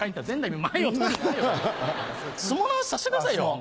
相撲の話させてくださいよ。